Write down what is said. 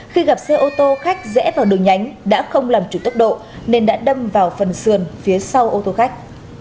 khi gặp xe ô tô khách rẽ vào đường nhánh đã không làm chủ tốc độ nên đã đâm vào phần sườn phía sau ô tô khách